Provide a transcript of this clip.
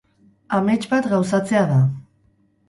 Amets bat gauzatzea da.